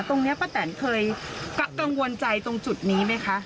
ตรงนี้ป้าแตนเคยกังวลใจตรงจุดนี้ไหมคะ